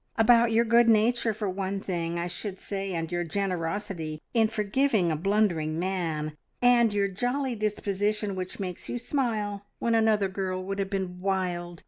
"About your good nature for one thing, I should say, and your generosity in forgiving a blundering man, and your jolly disposition which makes you smile when another girl would have been wild.